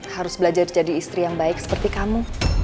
harus belajar jadi istri yang baik seperti kamu